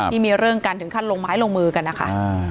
ที่มีเรื่องกันถึงขั้นลงไม้ลงมือกันนะคะ